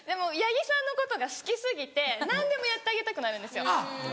八木さんのことが好き過ぎて何でもやってあげたくなるんです。